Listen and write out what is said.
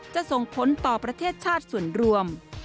ส่งผลต่อประเทศชาติส่วนรวม